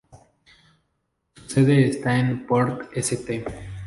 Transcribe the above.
Su sede está en Port St.